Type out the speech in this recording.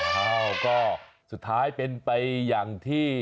อ้าวก็สุดท้ายเป็นไปอย่างที่